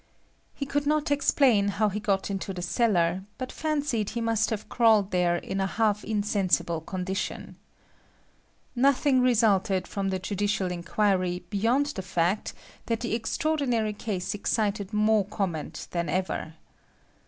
He could not explain how he got into the cellar, but fancied he must have crawled there in a half insensible condition. Nothing resulted from the judicial inquiry beyond the fact that the extraordinary case excited more comment than ever.